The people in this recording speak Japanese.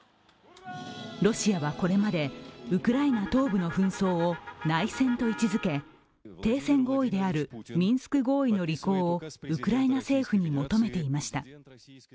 ロシアはこれまでウクライナ東部の紛争を内戦と位置づけ、停戦合意であるミンスク合意の履行をウクライナ政府に求めていました。